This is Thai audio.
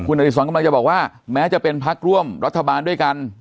คุณอดีตส่วนกำลังจะบอกว่าแม้จะเป็นภาคร่วมรัฐบาลด้วยกัน